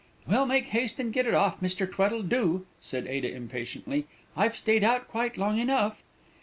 "Well, make haste and get it off, Mr. Tweddle, do," said Ada, impatiently. "I've stayed out quite long enough."